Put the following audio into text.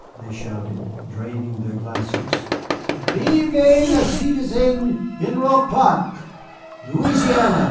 they shouted, draining their glasses. "Vive le citoyen général Clark!" "Louisiana!"